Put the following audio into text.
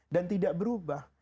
dan tidak berubah